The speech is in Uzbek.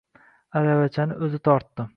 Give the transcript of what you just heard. Aravachani o‘zi tortdi.